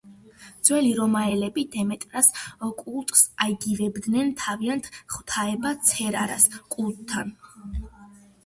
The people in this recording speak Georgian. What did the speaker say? ძველი რომაელები დემეტრას კულტს აიგივებდნენ თავიანთ ღვთაება ცერერას კულტთან.